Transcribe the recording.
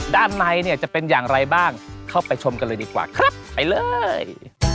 ด้านในเนี่ยจะเป็นอย่างไรบ้างเข้าไปชมกันเลยดีกว่าครับไปเลย